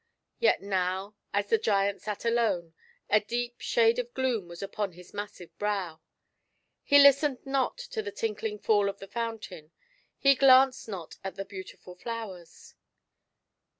Yet now^ as the giant sat alone, a deep shade of gloom was upon his massive brow ; he listened not to the tinkling fall of the fountain, he glanced not at the beautiful flowers.